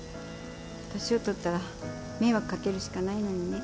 年を取ったら迷惑掛けるしかないのにね。